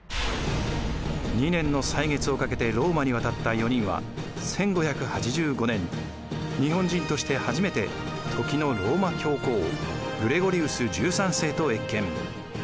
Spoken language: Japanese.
２年の歳月をかけてローマに渡った４人は１５８５年日本人として初めて時のローマ教皇グレゴリウス１３世と謁見。